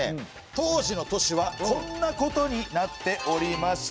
当時の都市はこんなことになっておりました。